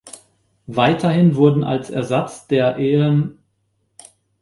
Weiterhin wurden, als Ersatz der ehem.